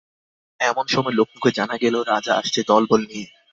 এমন সময় লোকমুখে জানা গেল, রাজা আসছে দলবল নিয়ে।